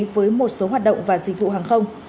với một số hoạt động và dịch vụ hàng không